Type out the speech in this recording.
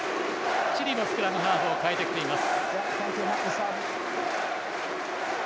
チリもスクラムハーフを代えてきています。